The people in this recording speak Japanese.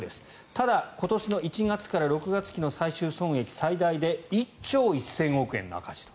ただ、今年の１月から６月期の最終損益最大で１兆１０００億円の赤字と。